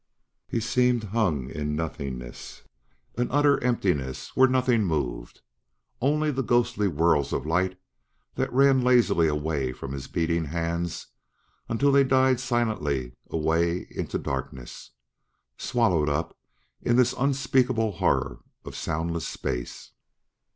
He seemed hung in nothingness, an utter emptiness where nothing moved; only the ghostly whirls of light that ran lazily away from his beating hands until they died silently away into darkness, swallowed up in this unspeakable horror of soundless space.